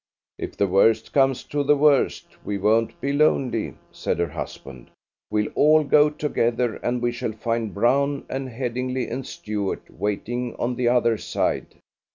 "If the worst comes to the worst, we won't be lonely," said her husband. "We'll all go together, and we shall find Brown and Headingly and Stuart waiting on the other side."